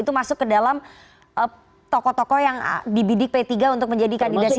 itu masuk ke dalam toko toko yang dibidik p tiga untuk menjadi kandidat